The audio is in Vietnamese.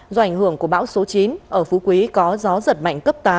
do ảnh hưởng của bão số chín ở phú quý có gió giật mạnh cấp tám